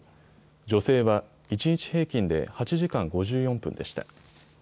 女性は一日平均で８時間５４分でした。